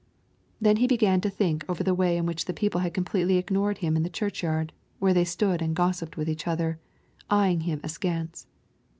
Then he began to think over the way in which the people had completely ignored him in the churchyard, where they stopped and gossiped with each other, eying him askance.